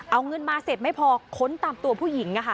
เอาเงินมาเสร็จไม่พอค้นตามตัวผู้หญิง